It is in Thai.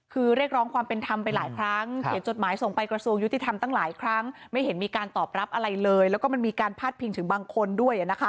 เขียนจดหมายส่งไปกระทรูงยุติธรรมตั้งหลายครั้งไม่เห็นมีการตอบรับอะไรเลยแล้วก็มีการพาดผิงถึงบางคนด้วย